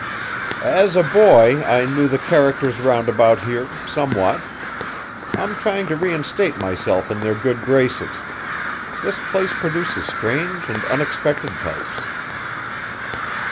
"As a boy I knew the characters roundabout here, somewhat. I'm trying to reinstate myself in their good graces. This place produces strange and unexpected types."